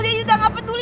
daddy udah gak peduli